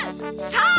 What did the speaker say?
さあ！